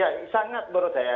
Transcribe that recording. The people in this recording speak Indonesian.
ya sangat menurut saya